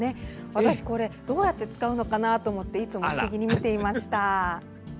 私、これどうやって使うのかなといつも不思議に見ていました。